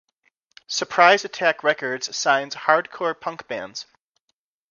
Surprise Attack Records signs Hardcore punk bands.